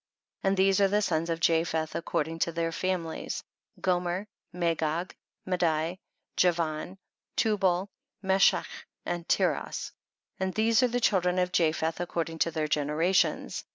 7. And these are the sons of Ja pheth according to their families, Gomer, Magog, Medai, Javan, Tu bal, Meshech and Tiras ; these are the children of Japheth according to their generations.